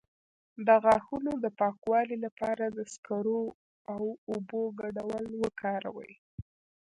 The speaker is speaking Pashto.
د غاښونو د پاکوالي لپاره د سکرو او اوبو ګډول وکاروئ